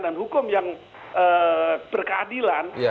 dan hukum yang berkeadilan